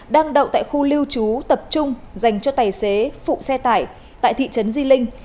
đang đậu tại khu lưu trú tập trung dành cho tài xế phụ xe tải tại thị trấn di linh